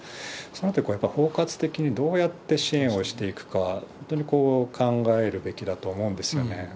そうなってくると、包括的にどうやって支援をしていくか、本当に考えるべきだと思うんですよね。